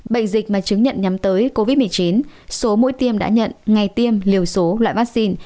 bệnh dịch mà chứng nhận nhắm tới covid một mươi chín số mũi tiêm đã nhận ngày tiêm liều số loại vaccine